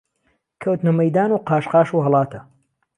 کەوتنە مەیدان و قاش قاش و هەڵاتە